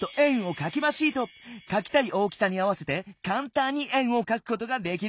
かきたい大きさに合わせてかんたんに円をかくことができるんだ。